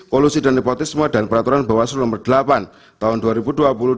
kolusi dan nepotisme dan peraturan bahwa seluruh nomor delapan tahun ini akan menyebabkan kegiatan